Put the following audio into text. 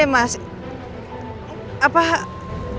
apa gak tau nih kayaknya error nih aplikasinya